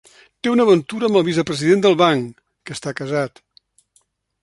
Té una aventura amb el vicepresident del banc, que està casat.